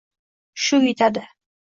Shu yetadi.